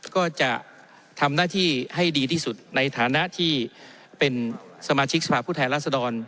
ก็จะทำหน้าที่ให้ดีที่สุดในฐานะที่เป็นสมาชิกสภาพผู้แทนรัศดร